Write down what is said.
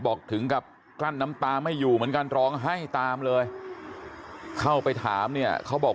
ถึงกับกลั้นน้ำตาไม่อยู่เหมือนกันร้องไห้ตามเลยเข้าไปถามเนี่ยเขาบอก